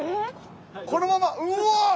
このままうわっ！